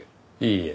いいえ。